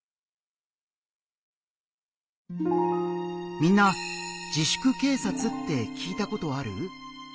みんな「自粛警察」って聞いたことある？